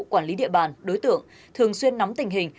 quản lý địa bàn đối tượng thường xuyên nắm tình hình